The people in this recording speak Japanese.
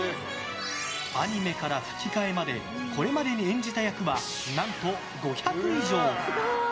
アニメから吹き替えまでこれまでに演じた役は何と５００以上！